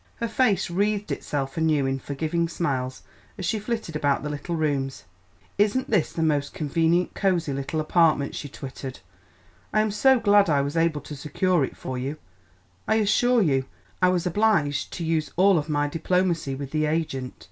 Her face wreathed itself anew in forgiving smiles as she flitted about the little rooms. "Isn't this the most convenient, cosy little apartment?" she twittered. "I am so glad I was able to secure it for you; I assure you I was obliged to use all of my diplomacy with the agent.